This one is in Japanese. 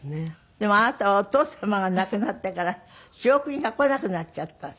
でもあなたはお父様が亡くなってから仕送りが来なくなっちゃったって。